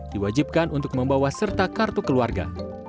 diwajibkan untuk membawa serta kartu keluarga